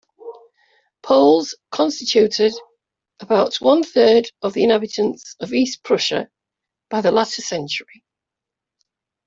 Poles constituted about one-third of the inhabitants of East Prussia by the latter century.